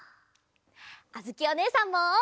あづきおねえさんも！